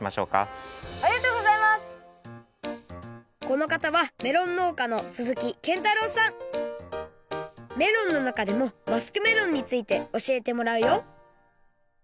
このかたはメロンのうかのメロンのなかでもマスクメロンについておしえてもらうよ！